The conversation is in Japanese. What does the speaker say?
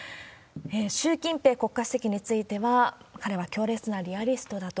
習近平国家主席については、彼は強烈なリアリストだと。